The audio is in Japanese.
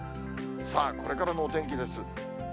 さあ、これからのお天気です。